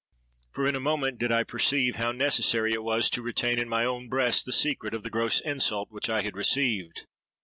For, in a moment, did I perceive how necessary it was to retain in my own breast the secret of the gross insult which I had received.